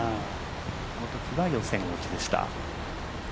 そのときは予選落ちでした。